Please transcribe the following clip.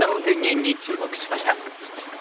天元に注目しました。